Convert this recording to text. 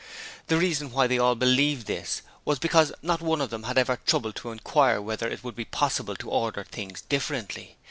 The reason why they all believed this was because not one of them had ever troubled to inquire whether it would not be possible to order things differently.